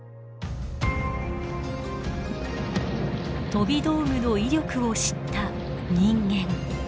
飛び道具の威力を知った人間。